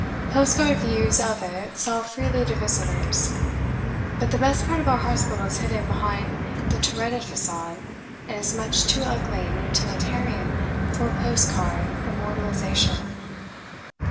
Postcard views of it sell freely to visitors. But the best part of our hospital is hidden behind that turreted façade, and is much too "ugly" and utilitarian for postcard immortalisation.